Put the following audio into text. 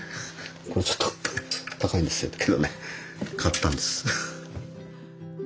これちょっと高いんですけどね買ったんです。